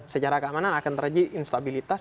secara keamanan akan terjadi instabilitas